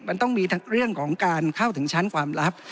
มันต้องมีเรื่องของการเข้าถึงชั้นความลับ